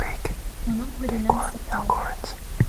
Уның һүҙенән сыҡмай.